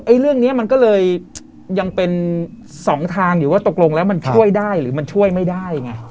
เรื่องนี้มันก็เลยยังเป็นสองทางอยู่ว่าตกลงแล้วมันช่วยได้หรือมันช่วยไม่ได้ไง